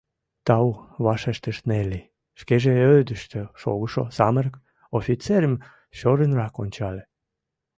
— Тау, — вашештыш Нелли, шкеже ӧрдыжтӧ шогышо самырык офицерым шӧрынрак ончале.